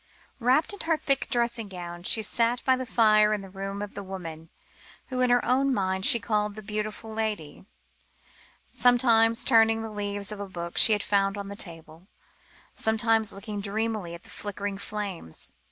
Wrapped in her thick dressing gown she sat by the fire in the room of the woman, who in her own mind she called "the beautiful lady," sometimes turning the leaves of a book she had found on the table, sometimes looking dreamily at the flickering flames.